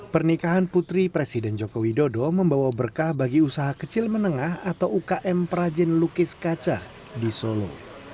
pernikahan putri presiden joko widodo membawa berkah bagi usaha kecil menengah atau ukm perajin lukis kaca di solo